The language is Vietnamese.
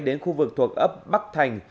đến khu vực thuộc ấp bắc thành